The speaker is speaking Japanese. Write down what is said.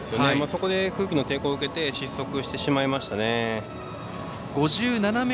そこで空気の抵抗を受けて失速してしまいましたね。